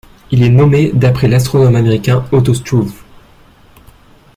Il est nommé d'après l'astronome américain Otto Struve.